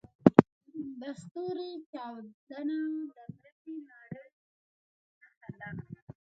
د ستوري چاودنه د نوې نړۍ د زېږېدو نښه ده.